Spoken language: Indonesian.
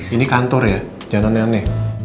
ini kantor ya jangan ne ne